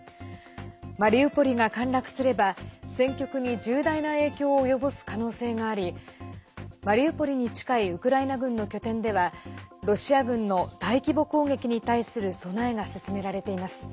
マリウポリが陥落すれば戦局に重大な影響を及ぼす可能性がありマリウポリに近いウクライナ軍の拠点ではロシア軍の大規模攻撃に対する備えが進められています。